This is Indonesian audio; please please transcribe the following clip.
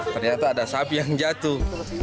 ternyata ada sapi yang jatuh